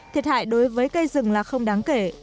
thiệt hại đối với cây rừng là không đáng kể